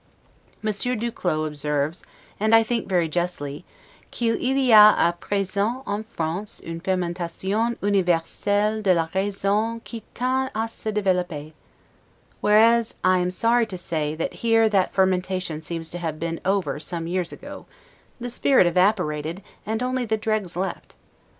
Monsieur du Clos observes, and I think very justly, 'qu'il y a a present en France une fermentation universelle de la raison qui tend a se developper'. Whereas, I am sorry to say, that here that fermentation seems to have been over some years ago, the spirit evaporated, and only the dregs left.